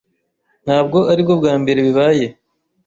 Ntabwo aribwo bwa mbere bibaye.